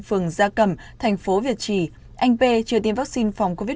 phường gia cẩm thành phố việt trì anh p chưa tiêm vaccine phòng covid một mươi chín